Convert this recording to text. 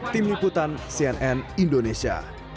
tim liputan cnn indonesia